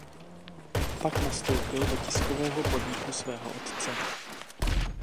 Pak nastoupil do tiskového podniku svého otce.